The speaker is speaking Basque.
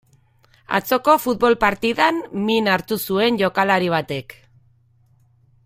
Atzoko futbol partidan min hartu zuen jokalari batek.